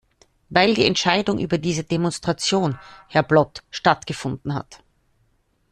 Weil die Entscheidung über diese Demonstration, Herr Blot, stattgefunden hat.